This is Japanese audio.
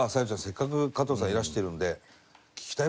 せっかく加藤さんいらしてるんで。